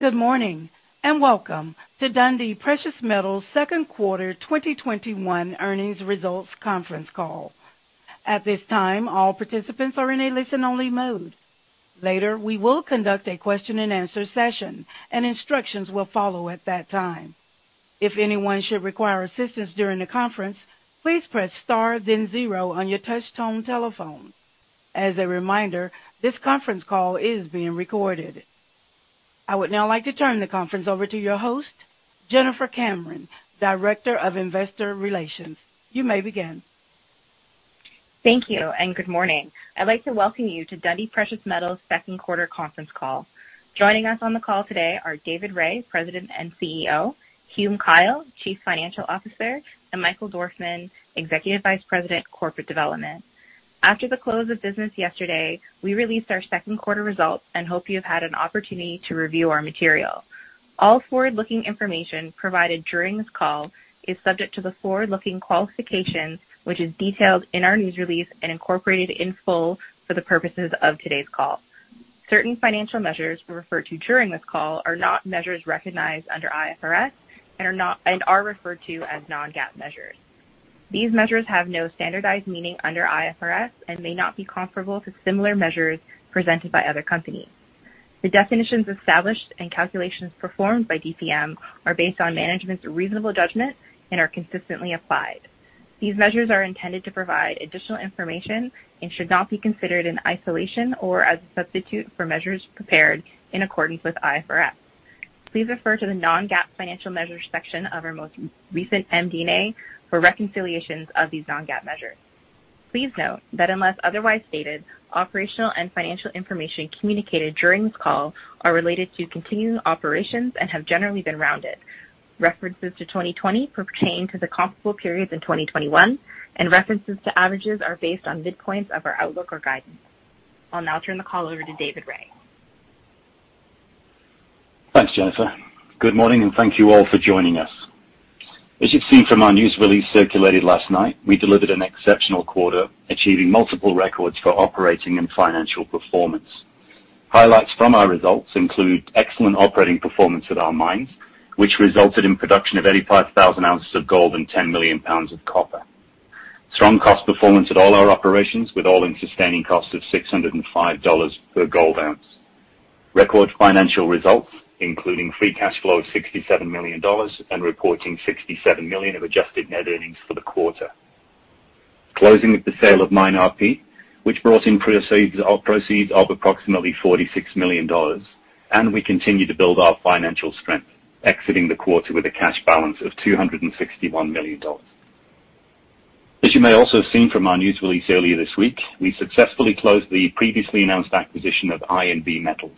Good morning, and welcome to Dundee Precious Metals' second quarter 2021 earnings results conference call. At this time, all participants are in a listen-only mode. Later we will conduct a question and answer session and instructions will follow at that time. If anyone should require assistance during the conference, please press star then zero on your touch-tone telephone. As a reminder this, this conference call is being recorded. I would now like to turn the conference over to your host, Jennifer Cameron, Director of Investor Relations. You may begin. Thank you. Good morning. I'd like to welcome you to Dundee Precious Metals' second quarter conference call. Joining us on the call today are David Rae, President and Chief Executive Officer, Hume Kyle, Chief Financial Officer, and Michael Dorfman, Executive Vice President, Corporate Development. After the close of business yesterday, we released our second quarter results and hope you have had an opportunity to review our material. All forward-looking information provided during this call is subject to the forward-looking qualifications, which is detailed in our news release and incorporated in full for the purposes of today's call. Certain financial measures referred to during this call are not measures recognized under IFRS and are referred to as non-GAAP measures. These measures have no standardized meaning under IFRS and may not be comparable to similar measures presented by other companies. The definitions established and calculations performed by DPM are based on management's reasonable judgment and are consistently applied. These measures are intended to provide additional information and should not be considered in isolation or as a substitute for measures prepared in accordance with IFRS. Please refer to the non-GAAP financial measures section of our most recent MD&A for reconciliations of these non-GAAP measures. Please note that unless otherwise stated, operational and financial information communicated during this call are related to continuing operations and have generally been rounded. References to 2020 pertain to the comparable periods in 2021, and references to averages are based on midpoints of our outlook or guidance. I'll now turn the call over to David Rae. Thanks, Jennifer. Good morning, and thank you all for joining us. As you've seen from our news release circulated last night, we delivered an exceptional quarter, achieving multiple records for operating and financial performance. Highlights from our results include excellent operating performance at our mines, which resulted in production of 85,000 ounces of gold and 10 million pounds of copper. Strong cost performance at all our operations, with all-in sustaining cost of $605 per gold ounce. Record financial results, including free cash flow of $67 million and reporting $67 million of adjusted net earnings for the quarter. Closing of the sale of MineRP, which brought in proceeds of approximately $46 million, and we continue to build our financial strength, exiting the quarter with a cash balance of $261 million. As you may also have seen from our news release earlier this week, we successfully closed the previously announced acquisition of INV Metals,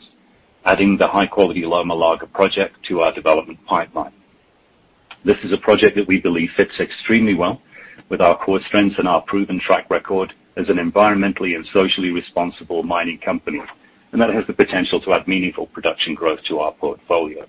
adding the high-quality Loma Larga project to our development pipeline. This is a project that we believe fits extremely well with our core strengths and our proven track record as an environmentally and socially responsible mining company, and that has the potential to add meaningful production growth to our portfolio.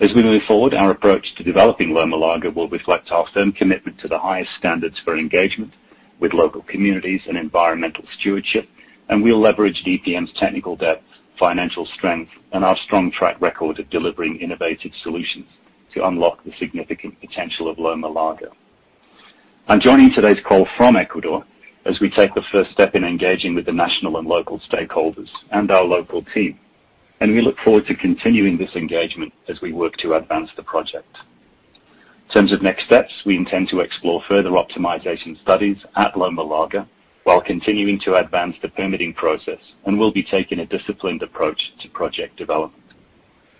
As we move forward, our approach to developing Loma Larga will reflect our firm commitment to the highest standards for engagement with local communities and environmental stewardship, and we'll leverage DPM's technical depth, financial strength, and our strong track record of delivering innovative solutions to unlock the significant potential of Loma Larga. I'm joining today's call from Ecuador as we take the first step in engaging with the national and local stakeholders and our local team. We look forward to continuing this engagement as we work to advance the project. In terms of next steps, we intend to explore further optimization studies at Loma Larga while continuing to advance the permitting process. We'll be taking a disciplined approach to project development.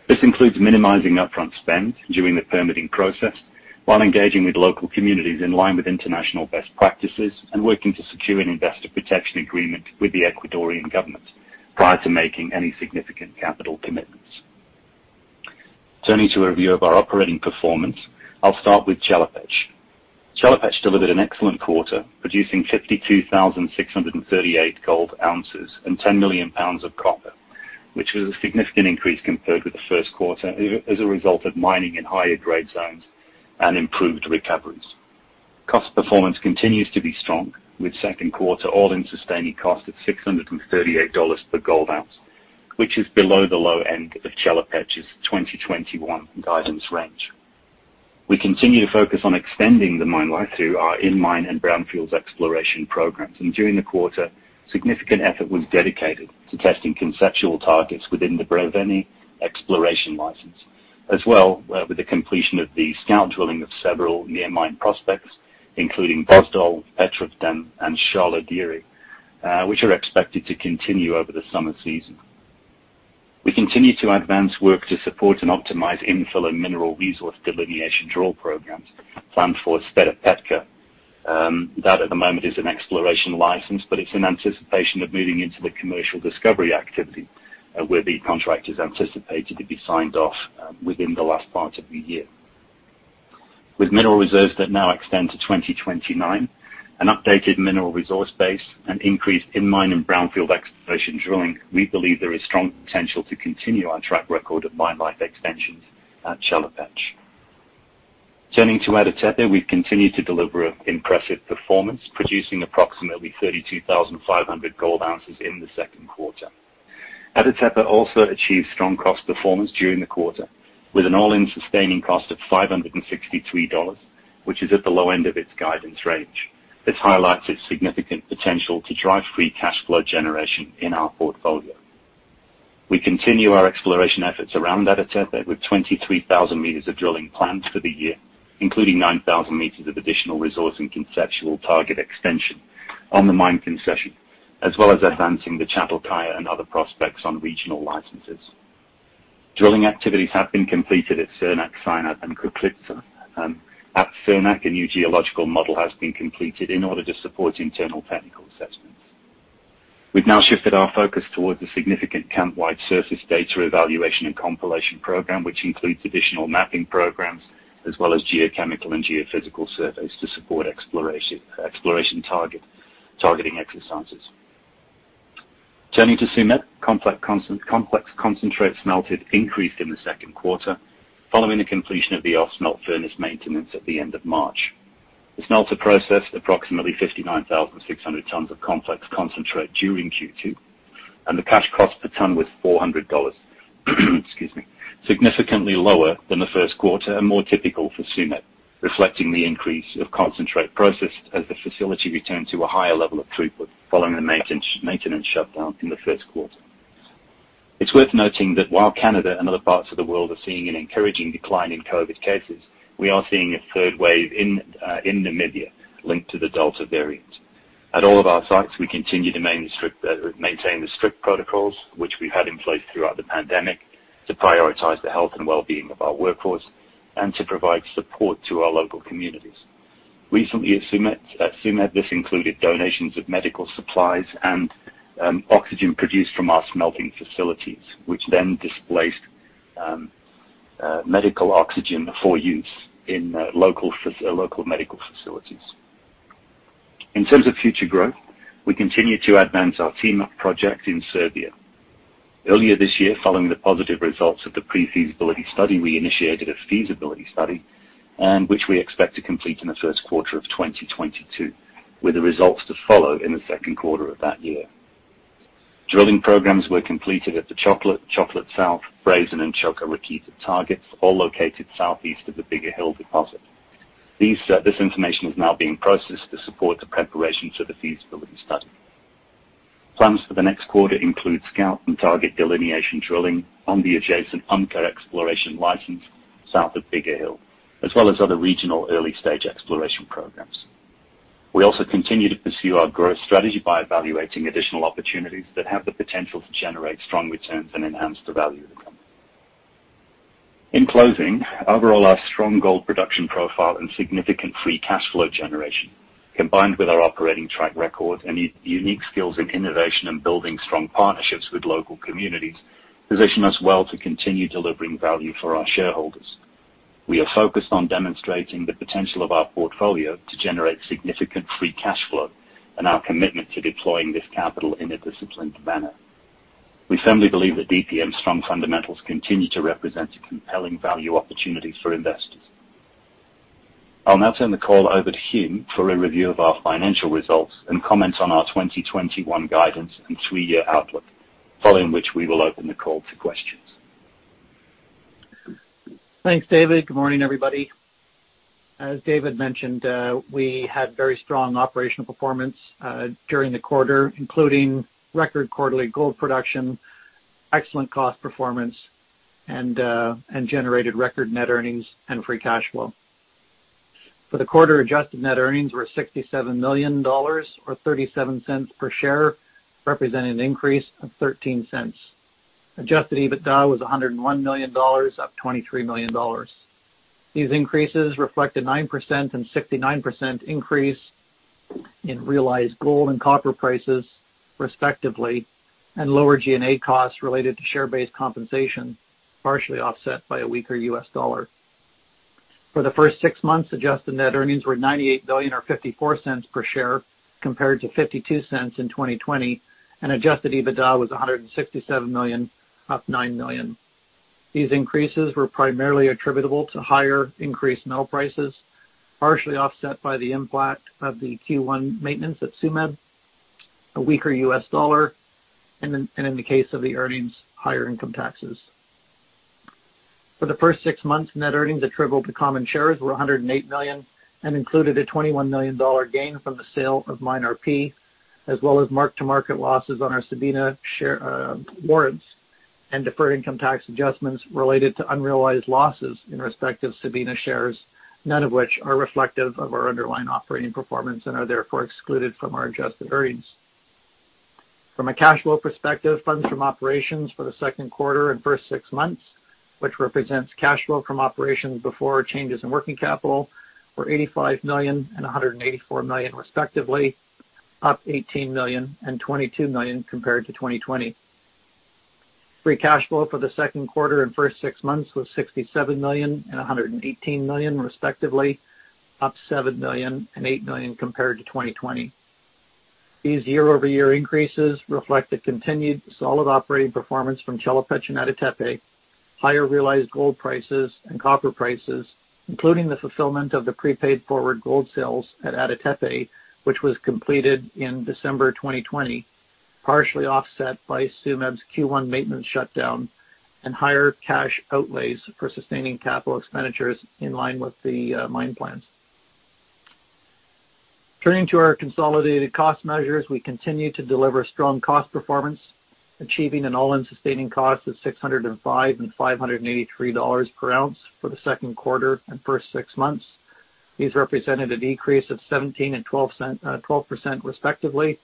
This includes minimizing upfront spend during the permitting process while engaging with local communities in line with international best practices and working to secure an investor protection agreement with the Ecuadorian government prior to making any significant capital commitments. Turning to a review of our operating performance, I'll start with Chelopech. Chelopech delivered an excellent quarter, producing 52,638 gold ounces and 10 million pounds of copper, which was a significant increase compared with the first quarter as a result of mining in higher-grade zones and improved recoveries. Cost performance continues to be strong, with second quarter all-in sustaining cost at $638 per gold ounce, which is below the low end of Chelopech's 2021 guidance range. We continue to focus on extending the mine life through our in-mine and brownfields exploration programs. During the quarter, significant effort was dedicated to testing conceptual targets within the Brestovene exploration license, as well with the completion of the scout drilling of several near mine prospects, including Vozdol, Petrovden, and Sharlo Dere, which are expected to continue over the summer season. We continue to advance work to support and optimize infill and mineral resource delineation drill programs planned for Sredokraska. That at the moment is an exploration license, but it's in anticipation of moving into the commercial discovery activity, where the contract is anticipated to be signed off within the last part of the year. With mineral reserves that now extend to 2029, an updated mineral resource base, and increased in-mine and brownfield exploration drilling, we believe there is strong potential to continue our track record of mine life extensions at Chelopech. Turning to Ada Tepe, we've continued to deliver impressive performance, producing approximately 32,500 gold ounces in the second quarter. Ada Tepe also achieved strong cost performance during the quarter, with an all-in sustaining cost of $563, which is at the low end of its guidance range. This highlights its significant potential to drive free cash flow generation in our portfolio. We continue our exploration efforts around Ada Tepe with 23,000 m of drilling planned for the year, including 9,000 m of additional resource and conceptual target extension on the mine concession, as well as advancing the Çatalkaya and other prospects on regional licenses. Drilling activities have been completed at Surnak, Sinap, and Kuklitsa. At Surnak, a new geological model has been completed in order to support internal technical assessments. We've now shifted our focus towards a significant camp-wide surface data evaluation and compilation program, which includes additional mapping programs, as well as geochemical and geophysical surveys to support exploration target exercises. Turning to Tsumeb, complex concentrates melted increased in the second quarter following the completion of the Ausmelt furnace maintenance at the end of March. The smelter processed approximately 59,600 tons of complex concentrate during Q2, and the cash cost per ton was $400, excuse me, significantly lower than the first quarter and more typical for Tsumeb, reflecting the increase of concentrate processed as the facility returned to a higher level of throughput following the maintenance shutdown in the first quarter. It's worth noting that while Canada and other parts of the world are seeing an encouraging decline in COVID cases, we are seeing a third wave in Namibia linked to the Delta variant. At all of our sites, we continue to maintain the strict protocols which we've had in place throughout the pandemic to prioritize the health and wellbeing of our workforce and to provide support to our local communities. Recently at Tsumeb, this included donations of medical supplies and oxygen produced from our smelting facilities, which then displaced medical oxygen for use in local medical facilities. In terms of future growth, we continue to advance our Timok project in Serbia. Earlier this year, following the positive results of the pre-feasibility study, we initiated a feasibility study, and which we expect to complete in the first quarter of 2022, with the results to follow in the second quarter of that year. Drilling programs were completed at the Chocolate South, Frasen, and Čoka Rakita targets, all located southeast of the Bigar Hill deposit. This information is now being processed to support the preparation for the feasibility study. Plans for the next quarter include scout and target delineation drilling on the adjacent Umka exploration license south of Bigar Hill, as well as other regional early-stage exploration programs. We also continue to pursue our growth strategy by evaluating additional opportunities that have the potential to generate strong returns and enhance the value of the company. In closing, overall, our strong gold production profile and significant free cash flow generation, combined with our operating track record and unique skills in innovation and building strong partnerships with local communities, position us well to continue delivering value for our shareholders. We are focused on demonstrating the potential of our portfolio to generate significant free cash flow and our commitment to deploying this capital in a disciplined manner. We firmly believe that DPM's strong fundamentals continue to represent a compelling value opportunity for investors. I'll now turn the call over to Hume for a review of our financial results and comments on our 2021 guidance and three-year outlook, following which we will open the call to questions. Thanks, David. Good morning, everybody. As David mentioned, we had very strong operational performance during the quarter, including record quarterly gold production, excellent cost performance, and generated record net earnings and free cash flow. For the quarter, adjusted net earnings were $67 million, or $0.37 per share, representing an increase of $0.13. Adjusted EBITDA was $101 million, up $23 million. These increases reflect a 9% and 69% increase in realized gold and copper prices, respectively, and lower G&A costs related to share-based compensation, partially offset by a weaker U.S. dollar. For the first six months, adjusted net earnings were $98 million, or $0.54 per share, compared to $0.52 in 2020, and Adjusted EBITDA was $167 million, up $9 million. These increases were primarily attributable to higher increased metal prices, partially offset by the impact of the Q1 maintenance at Tsumeb, a weaker U.S. dollar, and in the case of the earnings, higher income taxes. For the first six months, net earnings attributable to common shares were $108 million and included a $21 million gain from the sale of MineRP, as well as mark-to-market losses on our Sabina warrants and deferred income tax adjustments related to unrealized losses in respect of Sabina shares, none of which are reflective of our underlying operating performance and are therefore excluded from our adjusted earnings. From a cash flow perspective, funds from operations for the second quarter and first six months, which represents cash flow from operations before changes in working capital, were $85 million and $184 million, respectively, up $18 million and $22 million compared to 2020. Free cash flow for the second quarter and first six months was $67 million and $118 million, respectively, up $7 million and $8 million compared to 2020. These YoY increases reflect the continued solid operating performance from Chelopech and Ada Tepe, higher realized gold prices and copper prices, including the fulfillment of the prepaid forward gold sales at Ada Tepe, which was completed in December 2020, partially offset by Tsumeb's Q1 maintenance shutdown, and higher cash outlays for sustaining capital expenditures in line with the mine plans. Turning to our consolidated cost measures, we continue to deliver strong cost performance, achieving an all-in sustaining cost of $605 and $583 per ounce for the second quarter and first six months. These represented a decrease of 17% and 12%, respectively,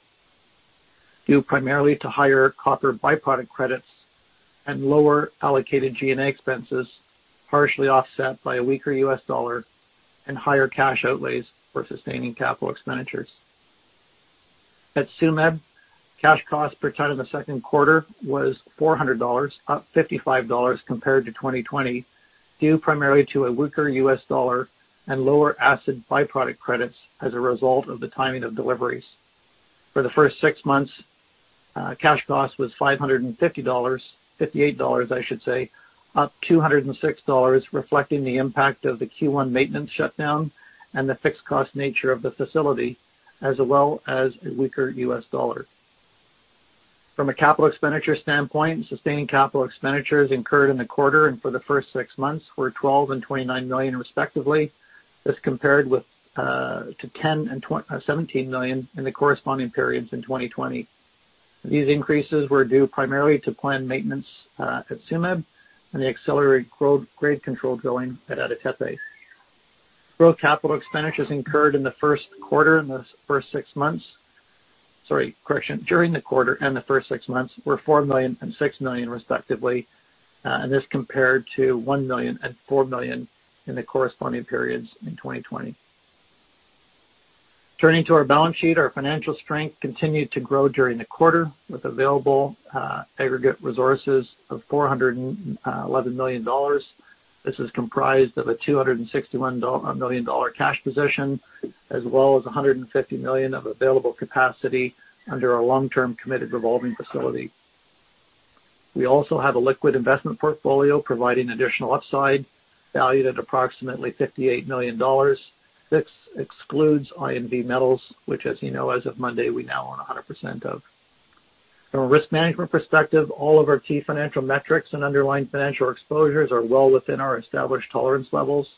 due primarily to higher copper by-product credits and lower allocated G&A expenses, partially offset by a weaker U.S. dollar and higher cash outlays for sustaining capital expenditures. At Tsumeb, cash cost per ton in the second quarter was $400, up $55 compared to 2020, due primarily to a weaker U.S. dollar and lower acid by-product credits as a result of the timing of deliveries. For the first six months, cash cost was $558, up $206, reflecting the impact of the Q1 maintenance shutdown and the fixed cost nature of the facility, as well as a weaker U.S. dollar. From a capital expenditure standpoint, sustaining capital expenditures incurred in the quarter and for the first six months were $12 million and $29 million, respectively. This compared to $10 million and $17 million in the corresponding periods in 2020. These increases were due primarily to planned maintenance at Tsumeb and the accelerated grade control drilling at Ada Tepe. Growth capital expenditures incurred during the quarter and the first six months were $4 million and $6 million, respectively. This compared to $1 million and $4 million in the corresponding periods in 2020. Turning to our balance sheet, our financial strength continued to grow during the quarter with available aggregate resources of $411 million. This is comprised of a $261 million cash position, as well as $150 million of available capacity under our long-term committed revolving facility. We also have a liquid investment portfolio providing additional upside valued at approximately $58 million. This excludes INV Metals, which, as you know, as of Monday, we now own 100% of. From a risk management perspective, all of our key financial metrics and underlying financial exposures are well within our established tolerance levels.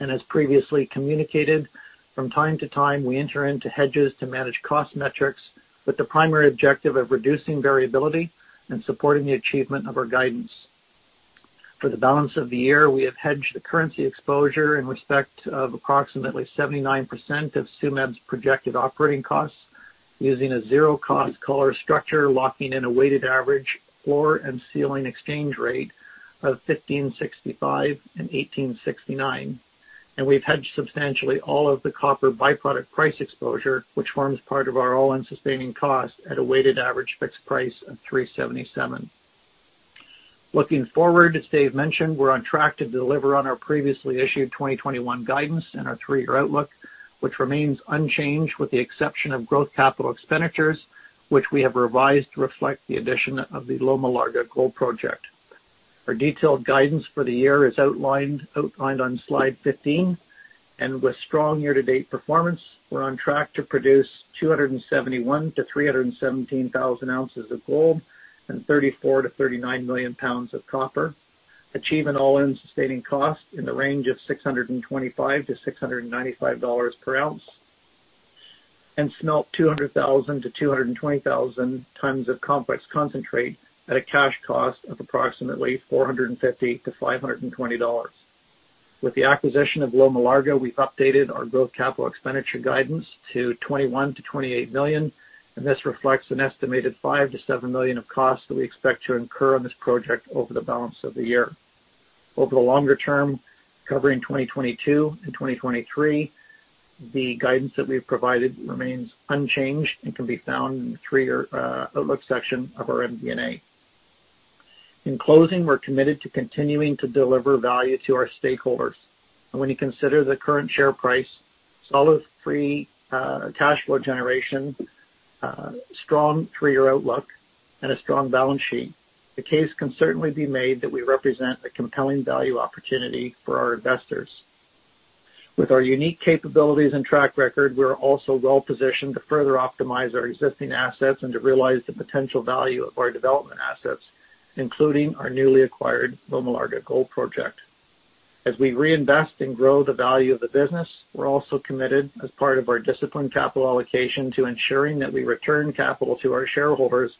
As previously communicated, from time to time, we enter into hedges to manage cost metrics with the primary objective of reducing variability and supporting the achievement of our guidance. For the balance of the year, we have hedged the currency exposure in respect of approximately 79% of Tsumeb's projected operating costs using a zero-cost collar structure, locking in a weighted average floor and ceiling exchange rate of 15.65-18.69. We've hedged substantially all of the copper by-product price exposure, which forms part of our all-in sustaining cost at a weighted average fixed price of $3.77. Looking forward, as David mentioned, we're on track to deliver on our previously issued 2021 guidance and our three-year outlook, which remains unchanged with the exception of growth capital expenditures, which we have revised to reflect the addition of the Loma Larga Gold Project. Our detailed guidance for the year is outlined on slide 15, and with strong year-to-date performance, we're on track to produce 271,000-317,000 ounces of gold and 34-39 million pounds of copper, achieve an all-in sustaining cost in the range of $625-$695 per ounce, and smelt 200,000-220,000 tons of complex concentrate at a cash cost of approximately $450-$520. With the acquisition of Loma Larga, we've updated our growth capital expenditure guidance to $21 million-$28 million, and this reflects an estimated $5 million-$7 million of costs that we expect to incur on this project over the balance of the year. Over the longer term, covering 2022 and 2023, the guidance that we've provided remains unchanged and can be found in the three-year outlook section of our MD&A. In closing, we're committed to continuing to deliver value to our stakeholders. When you consider the current share price, solid free cash flow generation, strong three-year outlook, and a strong balance sheet, the case can certainly be made that we represent a compelling value opportunity for our investors. With our unique capabilities and track record, we're also well-positioned to further optimize our existing assets and to realize the potential value of our development assets, including our newly acquired Loma Larga Gold Project. As we reinvest and grow the value of the business, we're also committed as part of our disciplined capital allocation to ensuring that we return capital to our shareholders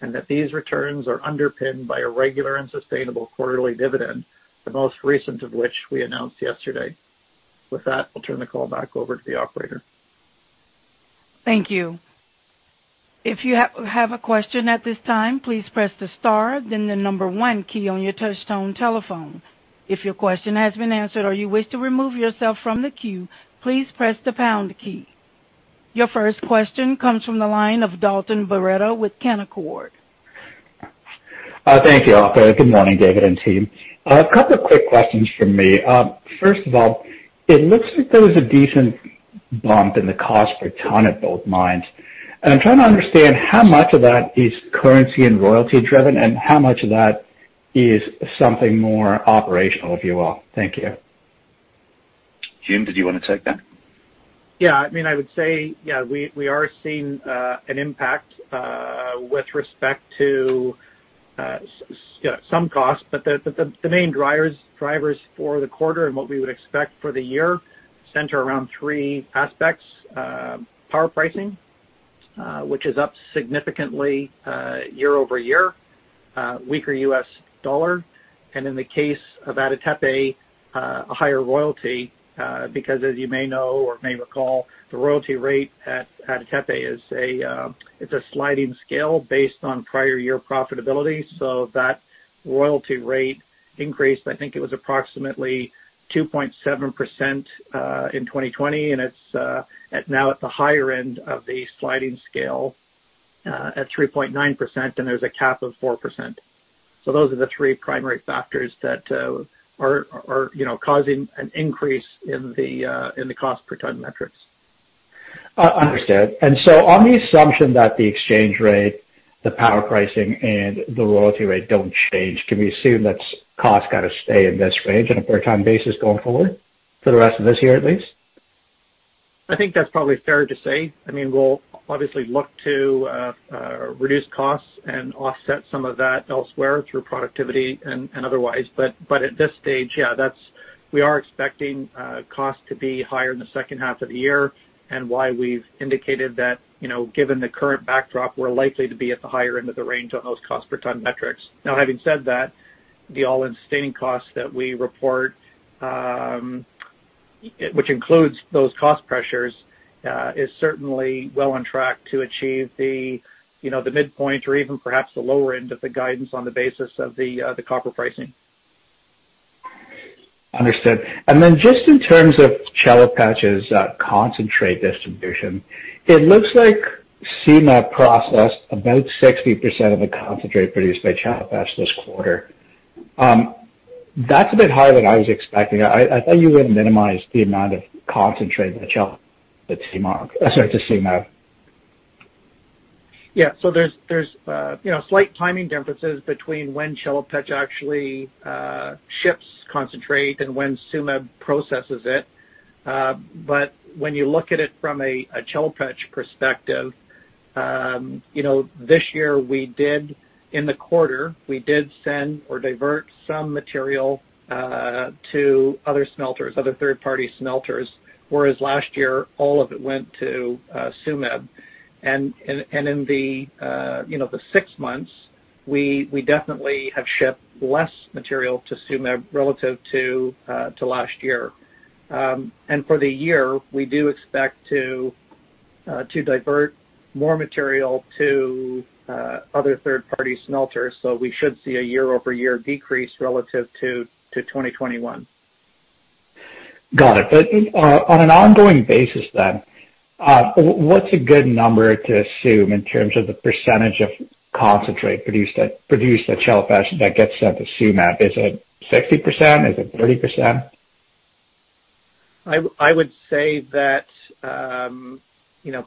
and that these returns are underpinned by a regular and sustainable quarterly dividend, the most recent of which we announced yesterday. With that, I'll turn the call back over to the operator. Thank you. If you have a question at this time, please press star then the number one key on your touch-tone telephone. If your question has been answered or you wish to remove yourself from the queue, please press the pound key. Your first question comes from the line of Dalton Baretto with Canaccord. Thank you, operator. Good morning, David and team. A couple of quick questions from me. First of all, it looks like there was a decent bump in the cost per ton at both mines. I'm trying to understand how much of that is currency and royalty driven, and how much of that is something more operational, if you will. Thank you. Hume, did you want to take that? Yeah. I would say, we are seeing an impact with respect to some costs. The main drivers for the quarter, and what we would expect for the year, center around three aspects. Power pricing, which is up significantly YoY. Weaker US dollar. In the case of Ada Tepe, a higher royalty, because as you may know or may recall, the royalty rate at Ada Tepe is a sliding scale based on prior year profitability. That royalty rate increased, I think it was approximately 2.7% in 2020, and it's now at the higher end of the sliding scale, at 3.9%, and there's a cap of 4%. Those are the three primary factors that are causing an increase in the cost per ton metrics. Understood. On the assumption that the exchange rate, the power pricing, and the royalty rate don't change, can we assume that costs kind of stay in this range on a per ton basis going forward? For the rest of this year, at least? I think that's probably fair to say. We'll obviously look to reduce costs and offset some of that elsewhere through productivity and otherwise. At this stage, yeah, we are expecting costs to be higher in the second half of the year, and why we've indicated that, given the current backdrop, we're likely to be at the higher end of the range on those cost per ton metrics. Now, having said that, the all-in sustaining costs that we report, which includes those cost pressures, is certainly well on track to achieve the midpoint or even perhaps the lower end of the guidance on the basis of the copper pricing. Understood. Just in terms of Chelopech's concentrate distribution, it looks like Tsumeb processed about 60% of the concentrate produced by Chelopech this quarter. That's a bit higher than I was expecting. I thought you would minimize the amount of concentrate to Tsumeb. Yeah. There's slight timing differences between when Chelopech actually ships concentrate and when Tsumeb processes it. When you look at it from a Chelopech perspective, this year in the quarter, we did send or divert some material to other smelters, other third-party smelters, whereas last year, all of it went to Tsumeb. In the six months, we definitely have shipped less material to Tsumeb relative to last year. For the year, we do expect to divert more material to other third-party smelters. We should see a YoY decrease relative to 2021. Got it. On an ongoing basis, what's a good number to assume in terms of the percentage of concentrate produced at Chelopech that gets sent to Tsumeb? Is it 60%? Is it 30%? I would say that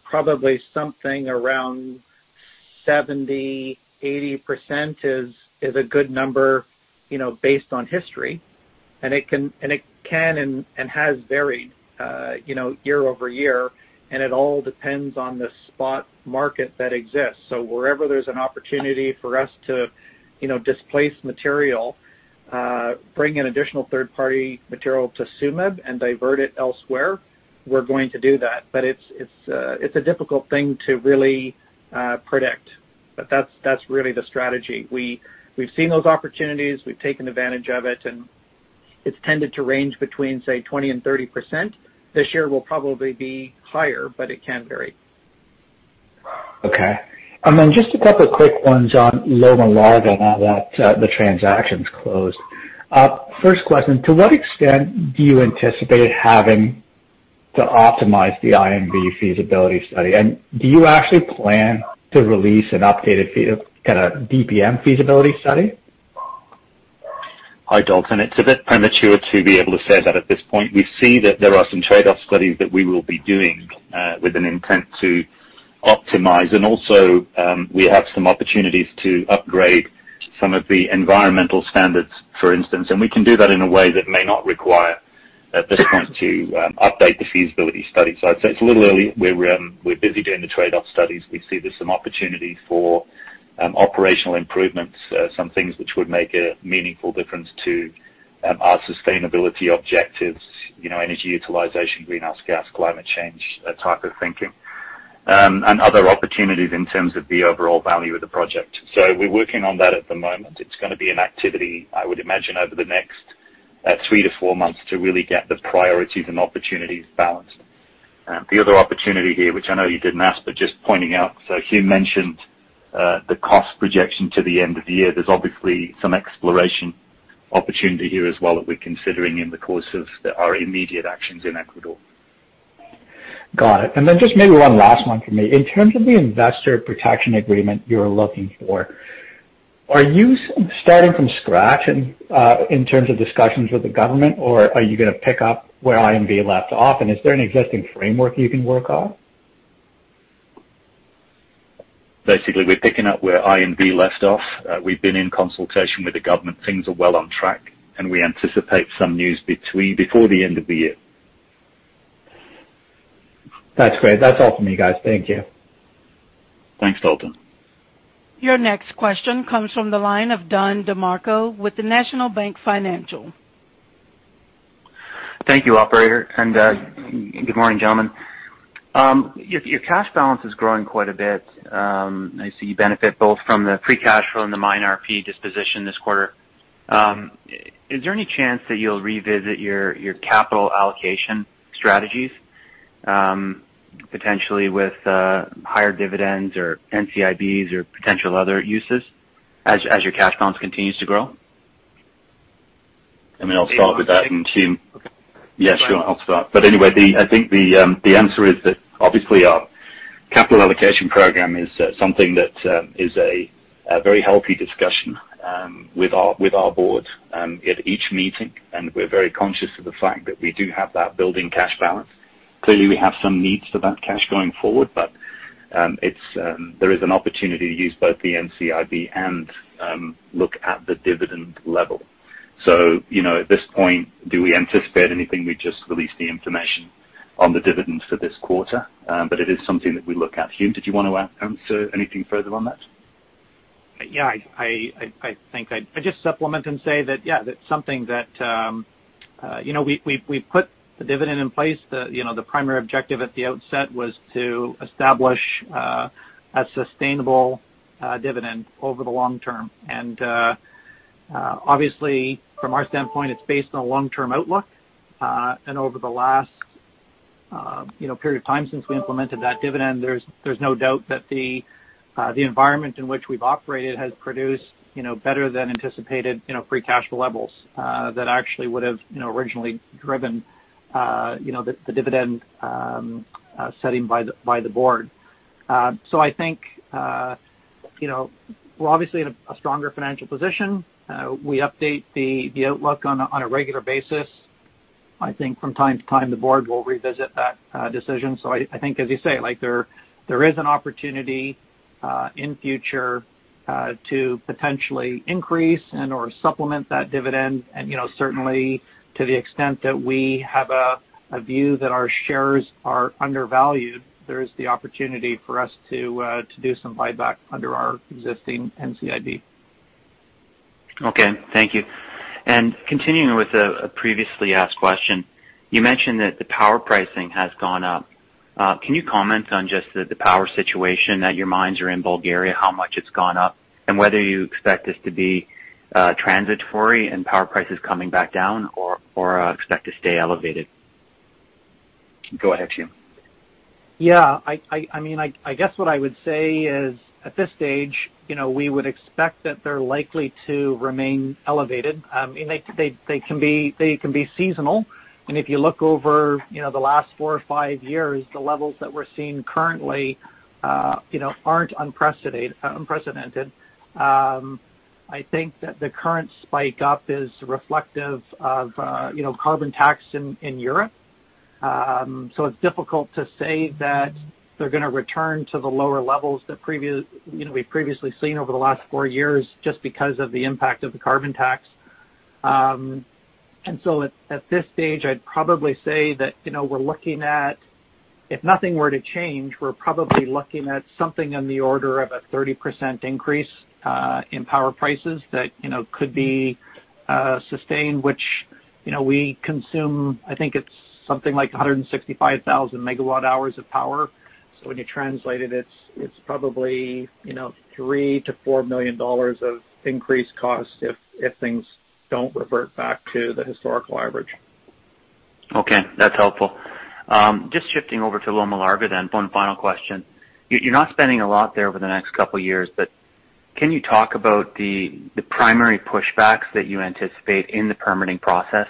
probably something around 70%-80% is a good number based on history. It can and has varied YoY. It all depends on the spot market that exists. Wherever there's an opportunity for us to displace material, bring in additional third-party material to Tsumeb and divert it elsewhere, we're going to do that. It's a difficult thing to really predict. That's really the strategy. We've seen those opportunities, we've taken advantage of it, and it's tended to range between, say, 20%-30%. This year will probably be higher, but it can vary. Okay. Just a couple quick ones on Loma Larga now that the transaction's closed. First question, to what extent do you anticipate having to optimize the INV feasibility study? Do you actually plan to release an updated kind of DPM feasibility study? Hi, Dalton. It's a bit premature to be able to say that at this point. We see that there are some trade-off studies that we will be doing with an intent to optimize. Also, we have some opportunities to upgrade some of the environmental standards, for instance. We can do that in a way that may not require, at this point, to update the feasibility study. I'd say it's a little early. We're busy doing the trade-off studies. We see there's some opportunity for operational improvements, some things which would make a meaningful difference to our sustainability objectives, energy utilization, greenhouse gas, climate change type of thinking, and other opportunities in terms of the overall value of the project. We're working on that at the moment. It's going to be an activity, I would imagine, over the next three to four months to really get the priorities and opportunities balanced. The other opportunity here, which I know you didn't ask, but just pointing out. Hume mentioned the cost projection to the end of the year. There's obviously some exploration opportunity here as well that we're considering in the course of our immediate actions in Ecuador. Got it. Just maybe one last one from me. In terms of the investor protection agreement you're looking for, are you starting from scratch in terms of discussions with the government, or are you going to pick up where INV left off, and is there an existing framework you can work off? Basically, we're picking up where INV left off. We've been in consultation with the government. Things are well on track, and we anticipate some news before the end of the year. That's great. That's all from me, guys. Thank you. Thanks, Dalton. Your next question comes from the line of Don DeMarco with the National Bank Financial. Thank you, operator. Good morning, gentlemen. Your cash balance is growing quite a bit. I see you benefit both from the free cash flow and the MineRP disposition this quarter. Is there any chance that you'll revisit your capital allocation strategies, potentially with higher dividends or NCIBs or potential other uses as your cash balance continues to grow? I mean, I'll start with that and Hume. Yeah, sure, I'll start. Anyway, I think the answer is that obviously our capital allocation program is something that is a very healthy discussion with our board at each meeting, and we're very conscious of the fact that we do have that building cash balance. Clearly, we have some needs for that cash going forward, but there is an opportunity to use both the NCIB and look at the dividend level. At this point, do we anticipate anything? We just released the information on the dividends for this quarter, but it is something that we look at. Hume, did you want to answer anything further on that? I think I'd just supplement and say that's something that we've put the dividend in place. The primary objective at the outset was to establish a sustainable dividend over the long term. Obviously from our standpoint, it's based on a long-term outlook. Over the last period of time since we implemented that dividend, there's no doubt that the environment in which we've operated has produced better than anticipated free cash levels that actually would have originally driven the dividend setting by the board. I think, we're obviously in a stronger financial position. We update the outlook on a regular basis. I think from time to time, the board will revisit that decision. I think, as you say, there is an opportunity in future to potentially increase and/or supplement that dividend. Certainly to the extent that we have a view that our shares are undervalued, there is the opportunity for us to do some buyback under our existing NCIB. Okay. Thank you. Continuing with a previously asked question, you mentioned that the power pricing has gone up. Can you comment on just the power situation at your mines are in Bulgaria, how much it's gone up, and whether you expect this to be transitory and power prices coming back down or expect to stay elevated? Go ahead, Hume. Yeah. I guess what I would say is, at this stage, we would expect that they're likely to remain elevated. They can be seasonal. If you look over the last four or five years, the levels that we're seeing currently aren't unprecedented. I think that the current spike up is reflective of carbon tax in Europe. It's difficult to say that they're going to return to the lower levels that we've previously seen over the last four years just because of the impact of the carbon tax. At this stage, I'd probably say that if nothing were to change, we're probably looking at something in the order of a 30% increase in power prices that could be sustained, which we consume, I think it's something like 165,000 MW hours of power. When you translate it's probably $3 million-$4 million of increased cost if things don't revert back to the historical average. Okay. That's helpful. Just shifting over to Loma Larga, then one final question. You're not spending a lot there over the next couple of years, but can you talk about the primary pushbacks that you anticipate in the permitting process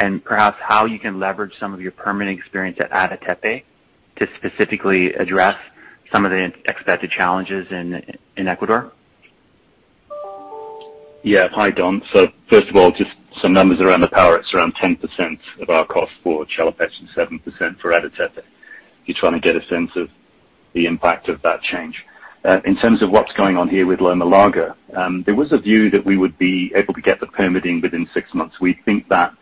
and perhaps how you can leverage some of your permitting experience at Ada Tepe to specifically address some of the expected challenges in Ecuador? Yeah. Hi, Don. First of all, just some numbers around the power. It's around 10% of our cost for Chelopech and 7% for Ada Tepe. You're trying to get a sense of the impact of that change. In terms of what's going on here with Loma Larga, there was a view that we would be able to get the permitting within six months. We think that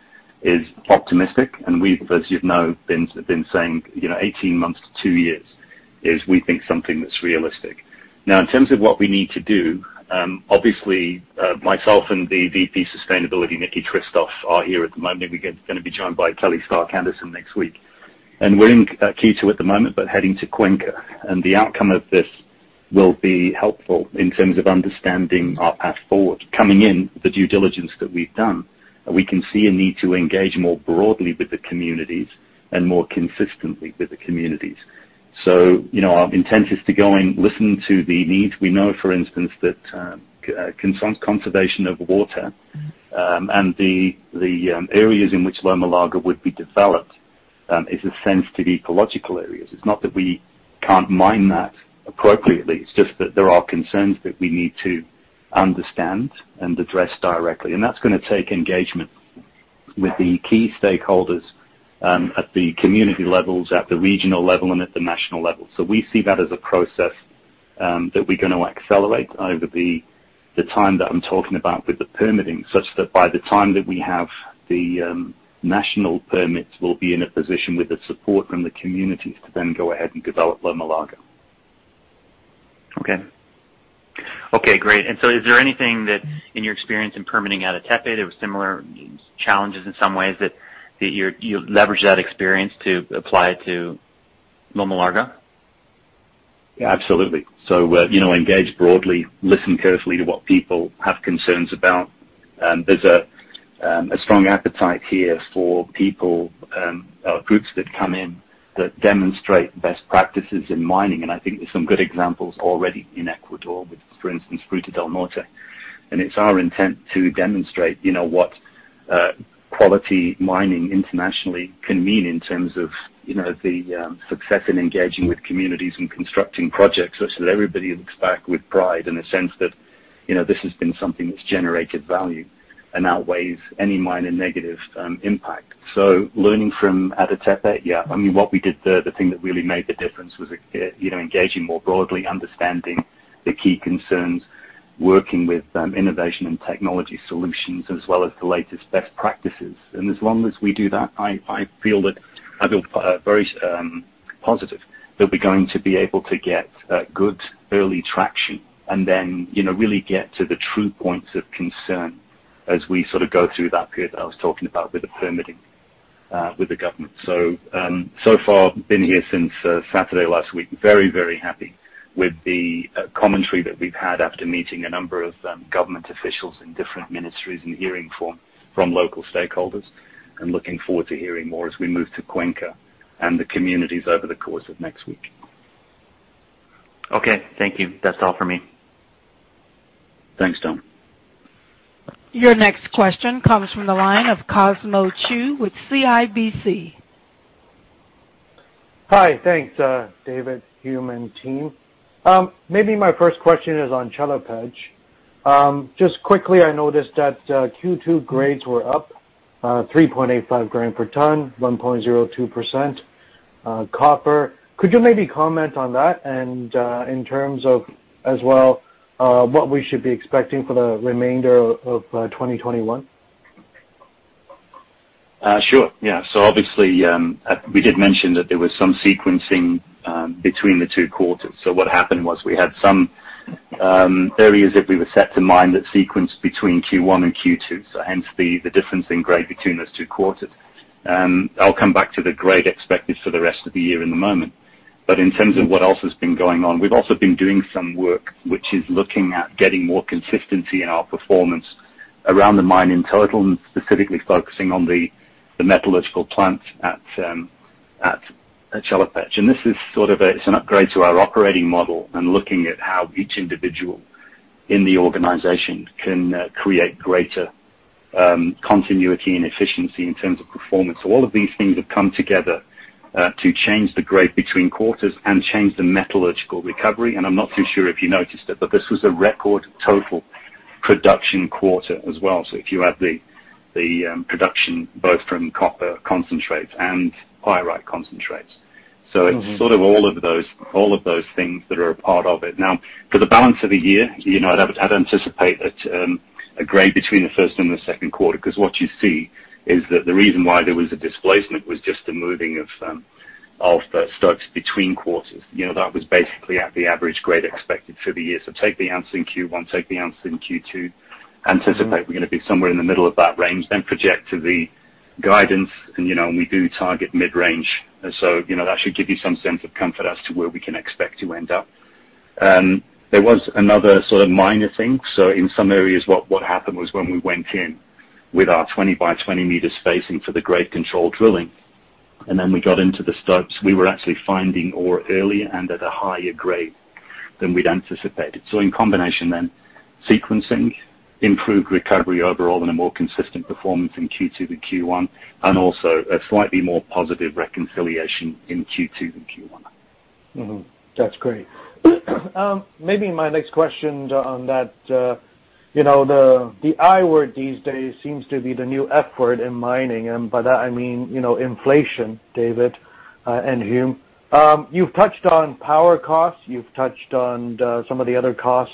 is optimistic, we've, as you know, been saying 18 months to two years is we think something that's realistic. In terms of what we need to do, obviously, myself and the Vice President Sustainability, Nikolay Hristov, are here at the moment. We're going to be joined by Kelly Stark-Anderson next week. We're in Quito at the moment, heading to Cuenca, the outcome of this will be helpful in terms of understanding our path forward. Coming in, the due diligence that we've done, we can see a need to engage more broadly with the communities and more consistently with the communities. Our intent is to go and listen to the needs. We know, for instance, that concerns conservation of water, and the areas in which Loma Larga would be developed is a sensitive ecological area. It's not that we can't mine that appropriately, it's just that there are concerns that we need to understand and address directly. That's going to take engagement with the key stakeholders at the community levels, at the regional level, and at the national level. We see that as a process that we're going to accelerate over the time that I'm talking about with the permitting, such that by the time that we have the national permits, we'll be in a position with the support from the communities to then go ahead and develop Loma Larga. Okay. Great. Is there anything that, in your experience in permitting Ada Tepe, there were similar challenges in some ways that you leverage that experience to apply it to Loma Larga? Yeah, absolutely. Engage broadly, listen carefully to what people have concerns about. There's a strong appetite here for people or groups that come in that demonstrate best practices in mining. I think there's some good examples already in Ecuador, for instance, Fruta del Norte. It's our intent to demonstrate what quality mining internationally can mean in terms of the success in engaging with communities and constructing projects such that everybody looks back with pride and a sense that this has been something that's generated value and outweighs any minor negative impact. Learning from Ada Tepe. What we did there, the thing that really made the difference was engaging more broadly, understanding the key concerns, working with innovation and technology solutions, as well as the latest best practices. As long as we do that, I feel very positive that we're going to be able to get good early traction and then really get to the true points of concern as we go through that period that I was talking about with the permitting with the government. So far, been here since Saturday last week. Very, very happy with the commentary that we've had after meeting a number of government officials in different ministries and hearing from local stakeholders, and looking forward to hearing more as we move to Cuenca and the communities over the course of next week. Okay. Thank you. That's all for me. Thanks, Don. Your next question comes from the line of Cosmos Chiu with CIBC. Hi. Thanks, David, Hume, and team. Maybe my first question is on Chelopech. Just quickly, I noticed that Q2 grades were up 3.85 g per ton, 1.02% copper. Could you maybe comment on that and, in terms of as well, what we should be expecting for the remainder of 2021? Sure. Yeah. Obviously, we did mention that there was some sequencing between the two quarters. What happened was we had some areas that we were set to mine that sequenced between Q1 and Q2, hence the difference in grade between those two quarters. I'll come back to the grade expected for the rest of the year in a moment. In terms of what else has been going on, we've also been doing some work which is looking at getting more consistency in our performance around the mine in total, and specifically focusing on the metallurgical plant at Chelopech. This is an upgrade to our operating model and looking at how each individual in the organization can create greater continuity and efficiency in terms of performance. All of these things have come together, to change the grade between quarters and change the metallurgical recovery. I'm not too sure if you noticed it, but this was a record total production quarter as well. If you add the production both from copper concentrates and pyrite concentrates. sort of all of those things that are a part of it. Now, for the balance of the year, I'd anticipate a grade between the first and the second quarter, because what you see is that the reason why there was a displacement was just a moving of the stocks between quarters. That was basically at the average grade expected for the year. Take the answer in Q1, take the answer in Q2, anticipate we're going to be somewhere in the middle of that range, then project to the guidance, and we do target mid-range. That should give you some sense of comfort as to where we can expect to end up. There was another sort of minor thing. In some areas, what happened was when we went in with our 20 m by 20 m spacing for the grade control drilling, and then we got into the stopes, we were actually finding ore earlier and at a higher grade than we'd anticipated. In combination then, sequencing, improved recovery overall, and a more consistent performance in Q2 than Q1, and also a slightly more positive reconciliation in Q2 than Q1. That's great. Maybe my next question on that. The I-word these days seems to be the new F-word in mining, and by that, I mean inflation, David and Hume. You've touched on power costs, you've touched on some of the other costs,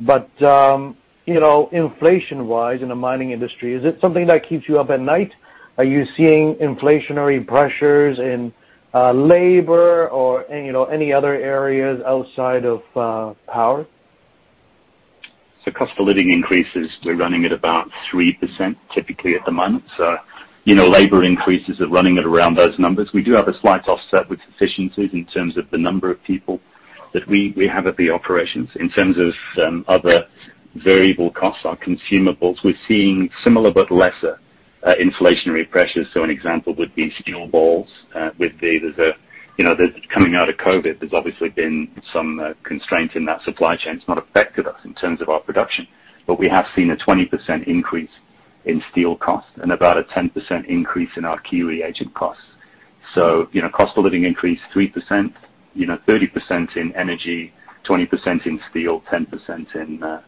but inflation-wise in the mining industry, is it something that keeps you up at night? Are you seeing inflationary pressures in labor or any other areas outside of power? Cost of living increases, we're running at about 3% typically at the moment. Labor increases are running at around those numbers. We do have a slight offset with efficiencies in terms of the number of people that we have at the operations. In terms of some other variable costs, our consumables, we're seeing similar but lesser inflationary pressures. An example would be steel balls. Coming out of COVID, there's obviously been some constraint in that supply chain. It's not affected us in terms of our production, but we have seen a 20% increase in steel cost and about a 10% increase in our key reagent costs. Cost of living increased 3%, 30% in energy, 20% in steel, 10%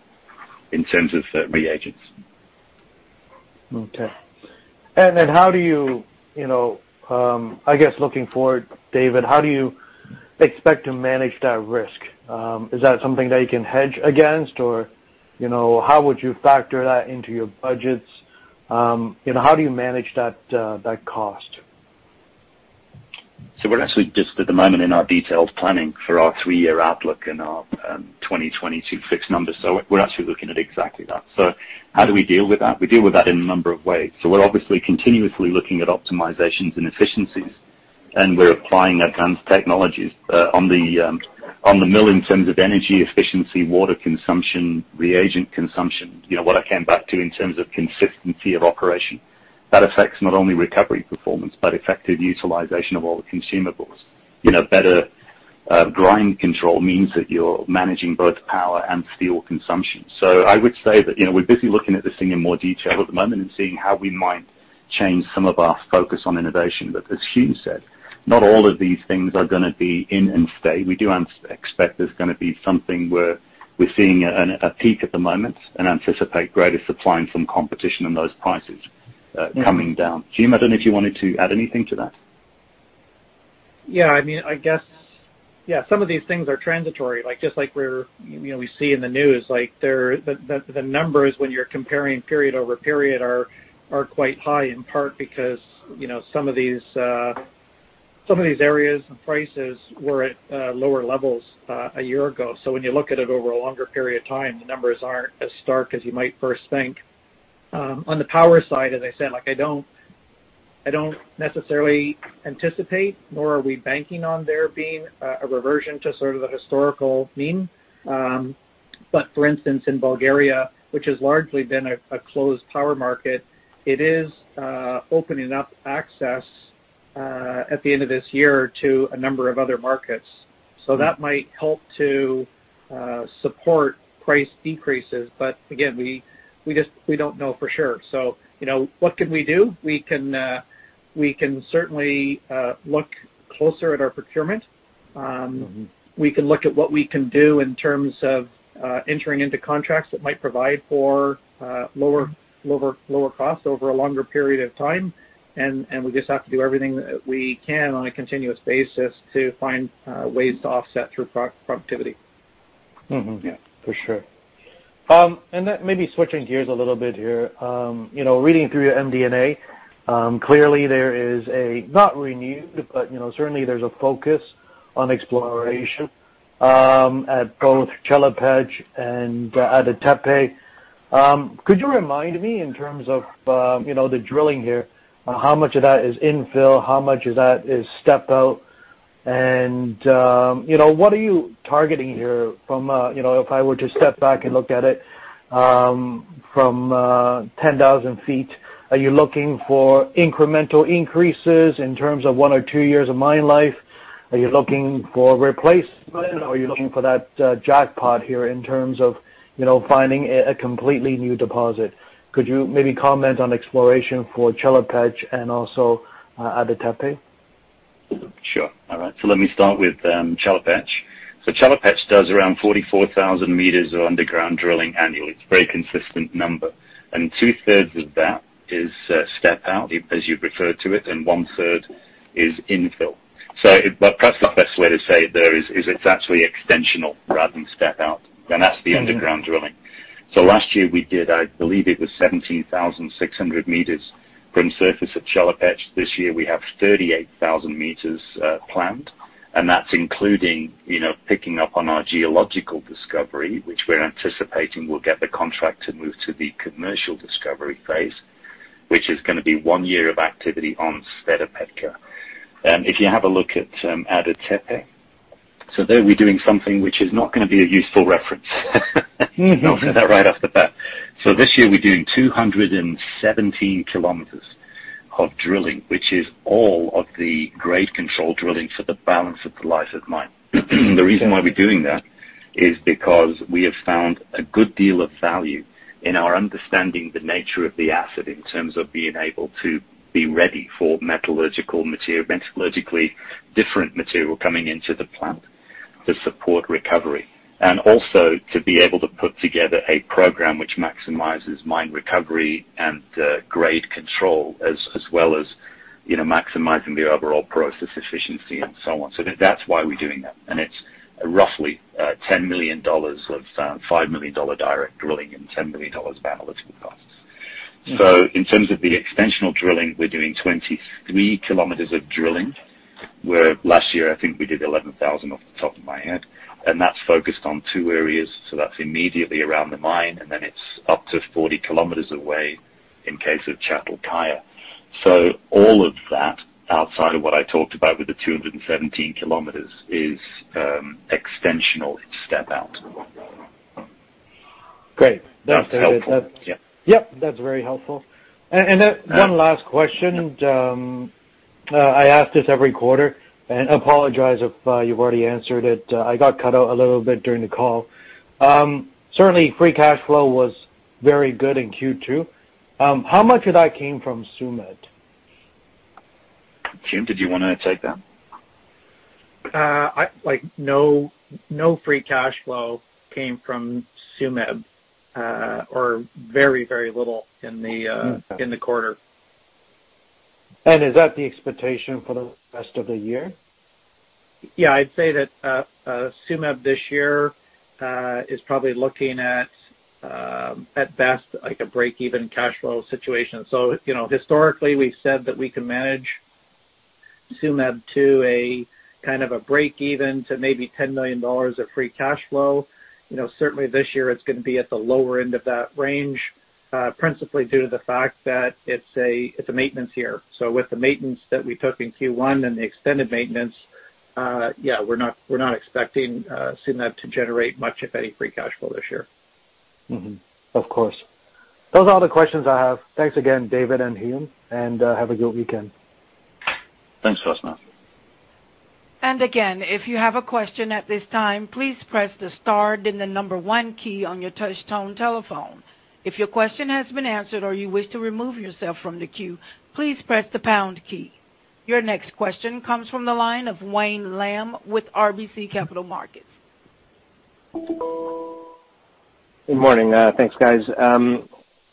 in terms of reagents. Okay. Then how do you, I guess looking forward, David, how do you expect to manage that risk? Is that something that you can hedge against, or how would you factor that into your budgets? How do you manage that cost? We're actually just at the moment in our detailed planning for our three-year outlook and our 2022 fixed numbers. We're actually looking at exactly that. How do we deal with that? We deal with that in a number of ways. We're obviously continuously looking at optimizations and efficiencies, and we're applying advanced technologies on the mill in terms of energy efficiency, water consumption, reagent consumption. What I came back to in terms of consistency of operation. That affects not only recovery performance, but effective utilization of all the consumables. Better grind control means that you're managing both power and steel consumption. I would say that we're busy looking at this thing in more detail at the moment and seeing how we might change some of our focus on innovation. As Hume said, not all of these things are going to be in and stay. We do expect there's going to be something where we're seeing a peak at the moment and anticipate greater supply and some competition on those prices coming down. Hume, I don't know if you wanted to add anything to that. Yeah, some of these things are transitory, just like we see in the news. The numbers, when you're comparing period over period, are quite high, in part because some of these areas and prices were at lower levels a year ago. When you look at it over a longer period of time, the numbers aren't as stark as you might first think. On the power side, as I said, I don't necessarily anticipate nor are we banking on there being a reversion to sort of the historical mean. For instance, in Bulgaria, which has largely been a closed power market, it is opening up access at the end of this year to a number of other markets. That might help to support price decreases. Again, we don't know for sure. What can we do? We can certainly look closer at our procurement. We can look at what we can do in terms of entering into contracts that might provide for lower costs over a longer period of time. We just have to do everything that we can on a continuous basis to find ways to offset through productivity. Yeah, for sure. Maybe switching gears a little bit here. Reading through your MD&A, clearly there is a, not renewed, but certainly there's a focus on exploration at both Chelopech and at Ada Tepe. Could you remind me in terms of the drilling here, how much of that is infill? How much of that is step out? What are you targeting here from a, if I were to step back and look at it from 10,000 ft, are you looking for incremental increases in terms of one or two years of mine life? Are you looking for replacement or are you looking for that jackpot here in terms of finding a completely new deposit? Could you maybe comment on exploration for Chelopech and also Ada Tepe? Sure. All right. Let me start with Chelopech. Chelopech does around 44,000 m of underground drilling annually. It's a very consistent number. Two-thirds of that is step out, as you referred to it, and one-third is infill. Perhaps the best way to say it there is it's actually extensional rather than step out. That's the underground drilling. Last year we did, I believe it was 17,600 m from surface at Chelopech. This year we have 38,000 m planned, and that's including picking up on our geological discovery, which we're anticipating will get the contract to move to the commercial discovery phase, which is going to be one year of activity on Sveta Petka. If you have a look at Ada Tepe. There we're doing something which is not going to be a useful reference. I'll say that right off the bat. This year we're doing 217 km of drilling, which is all of the grade control drilling for the balance of the life of mine. The reason why we're doing that is because we have found a good deal of value in our understanding the nature of the asset in terms of being able to be ready for metallurgically different material coming into the plant to support recovery. Also to be able to put together a program which maximizes mine recovery and grade control as well as maximizing the overall process efficiency and so on. That's why we're doing that. It's roughly $10 million of $5 million direct drilling and $10 million of analytical costs. In terms of the extensional drilling, we're doing 23 km of drilling, where last year I think we did 11,000 km off the top of my head. That's focused on two areas, so that's immediately around the mine, and then it's up to 40 km away in case of Çatalkaya. All of that outside of what I talked about with the 217 km is extensional step out. Great. That's helpful. Yeah. Yep. That's very helpful. Then one last question. I ask this every quarter, and apologize if you've already answered it. I got cut out a little bit during the call. Certainly, free cash flow was very good in Q2. How much of that came from Tsumeb? Hume, did you want to take that? No free cash flow came from Tsumeb, or very, very little in the quarter. Is that the expectation for the rest of the year? I'd say that Tsumeb this year is probably looking at best, like a break-even cash flow situation. Historically, we've said that we can manage Tsumeb to a kind of a break-even to maybe $10 million of free cash flow. Certainly this year it's going to be at the lower end of that range, principally due to the fact that it's a maintenance year. With the maintenance that we took in Q1 and the extended maintenance, we're not expecting Tsumeb to generate much of any free cash flow this year. Mm-hmm. Of course. Those are all the questions I have. Thanks again, David and Hume, and have a good weekend. Thanks, Cosmos. Again, if you have a question at this time, please press the star then the number one key on your touch tone telephone. If your question has been answered or you wish to remove yourself from the queue, please press the pound key. Your next question comes from the line of Wayne Lam with RBC Capital Markets. Good morning. Thanks, guys.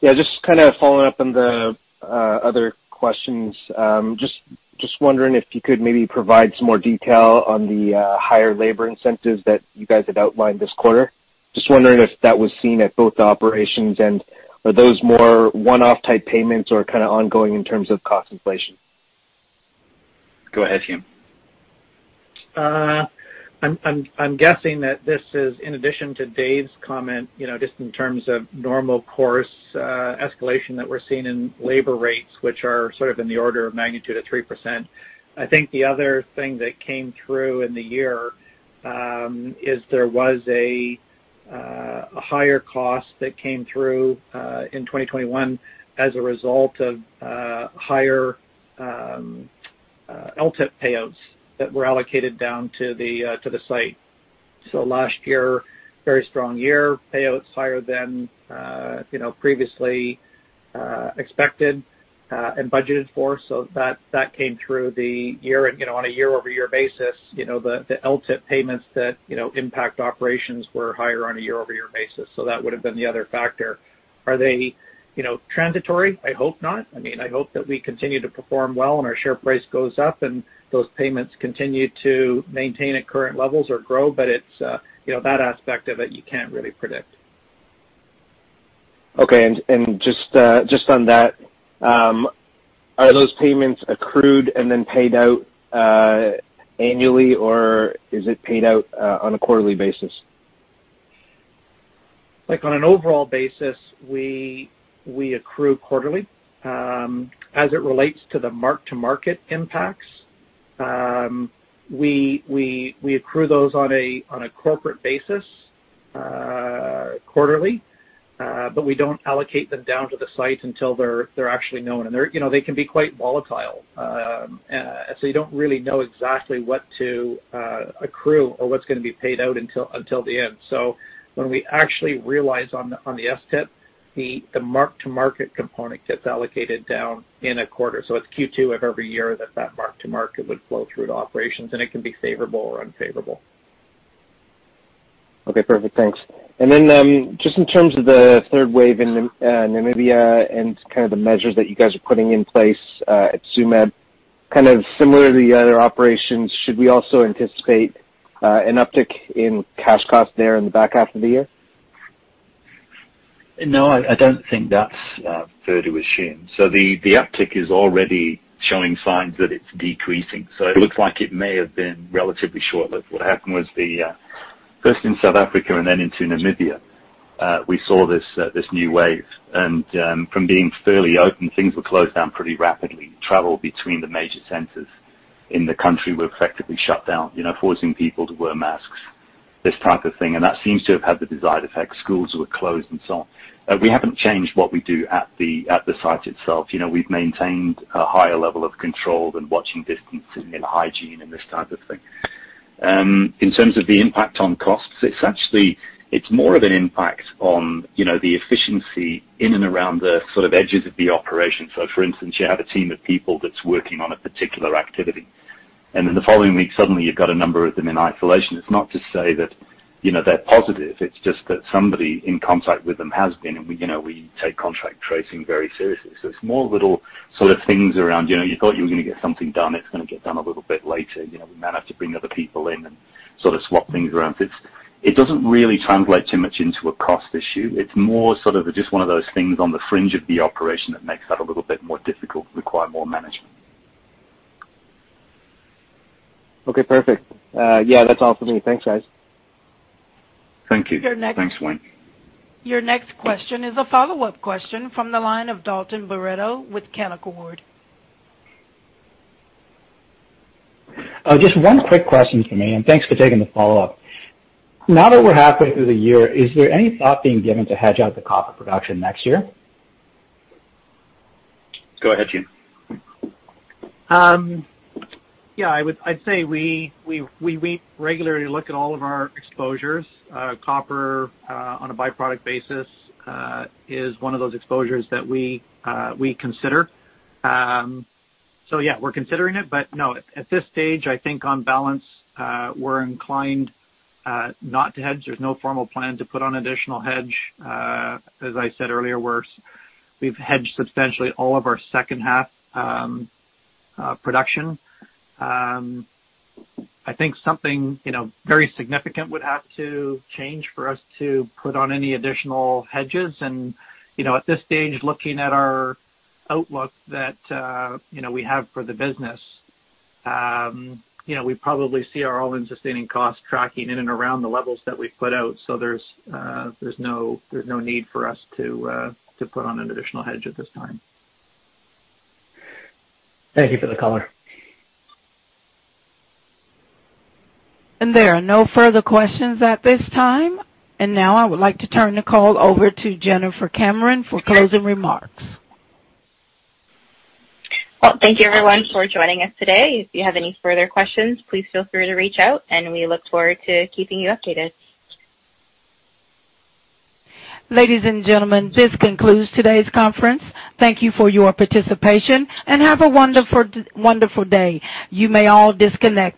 Just kind of following up on the other questions. Just wondering if you could maybe provide some more detail on the higher labor incentives that you guys had outlined this quarter? Just wondering if that was seen at both operations and are those more one-off type payments or kind of ongoing in terms of cost inflation? Go ahead, Hume. I'm guessing that this is in addition to David's comment, just in terms of normal course escalation that we're seeing in labor rates, which are sort of in the order of magnitude of 3%. I think the other thing that came through in the year, is there was a higher cost that came through in 2021 as a result of higher LTIP payouts that were allocated down to the site. Last year, very strong year, payouts higher than previously expected and budgeted for. That came through on a YoY basis, the LTIP payments that impact operations were higher on a YoY basis. That would've been the other factor. Are they transitory? I hope not. I hope that we continue to perform well and our share price goes up and those payments continue to maintain at current levels or grow. That aspect of it, you can't really predict. Okay. Just on that, are those payments accrued and then paid out annually, or is it paid out on a quarterly basis? Like on an overall basis, we accrue quarterly. As it relates to the mark-to-market impacts, we accrue those on a corporate basis quarterly, but we don't allocate them down to the site until they're actually known. They can be quite volatile, you don't really know exactly what to accrue or what's going to be paid out until the end. When we actually realize on the STIP, the mark-to-market component gets allocated down in a quarter. It's Q2 of every year that mark-to-market would flow through to operations, it can be favorable or unfavorable. Okay, perfect. Thanks. Just in terms of the third wave in Namibia and kind of the measures that you guys are putting in place at Tsumeb, kind of similar to the other operations, should we also anticipate an uptick in cash cost there in the back half of the year? No, I don't think that's fair to assume. The uptick is already showing signs that it's decreasing. It looks like it may have been relatively short-lived. What happened was, first in South Africa and then into Namibia, we saw this new wave. From being fairly open, things were closed down pretty rapidly. Travel between the major centers in the country were effectively shut down, forcing people to wear masks, this type of thing. That seems to have had the desired effect. Schools were closed and so on. We haven't changed what we do at the site itself. We've maintained a higher level of control than watching distances and hygiene and this type of thing. In terms of the impact on costs, it's more of an impact on the efficiency in and around the sort of edges of the operation. For instance, you have a team of people that's working on a particular activity, and then the following week, suddenly you've got a number of them in isolation. It's not to say that they're positive, it's just that somebody in contact with them has been, and we take contact tracing very seriously. It's more little sort of things around, you thought you were going to get something done, it's going to get done a little bit later. We might have to bring other people in and sort of swap things around. It doesn't really translate too much into a cost issue. It's more sort of just one of those things on the fringe of the operation that makes that a little bit more difficult, require more management. Okay, perfect. Yeah, that's all for me. Thanks, guys. Thank you. Thanks, Wayne. Your next question is a follow-up question from the line of Dalton Baretto with Canaccord. Just one quick question for me, and thanks for taking the follow-up. Now that we're halfway through the year, is there any thought being given to hedge out the copper production next year? Go ahead, Hume. Yeah, I'd say we regularly look at all of our exposures. Copper, on a byproduct basis, is one of those exposures that we consider. Yeah, we're considering it, but no, at this stage, I think on balance, we're inclined not to hedge. There's no formal plan to put on additional hedge. As I said earlier, we've hedged substantially all of our second half production. I think something very significant would have to change for us to put on any additional hedges. At this stage, looking at our outlook that we have for the business, we probably see our all-in sustaining cost tracking in and around the levels that we've put out. There's no need for us to put on an additional hedge at this time. Thank you for the color. There are no further questions at this time. Now I would like to turn the call over to Jennifer Cameron for closing remarks. Well, thank you everyone for joining us today. If you have any further questions, please feel free to reach out, and we look forward to keeping you updated. Ladies and gentlemen, this concludes today's conference. Thank you for your participation and have a wonderful day. You may all disconnect.